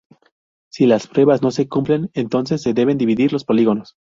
Si las pruebas no se cumplen, entonces se deben dividir los polígonos.